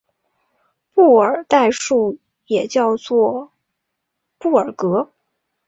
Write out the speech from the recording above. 布尔代数也叫做布尔格。